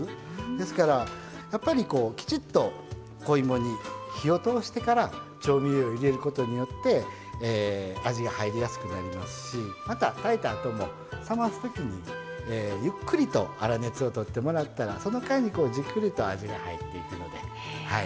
ですからやっぱりこうきちっと子芋に火を通してから調味料を入れることによって味が入りやすくなりますし炊いたあとも冷ます時にゆっくりと粗熱をとってもらったらその間にじっくりと味が入っていくのではい。